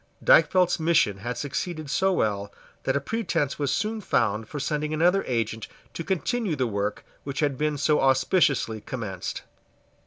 Dykvelt's mission had succeeded so well that a pretence was soon found for sending another agent to continue the work which had been so auspiciously commenced.